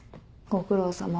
ご苦労さま。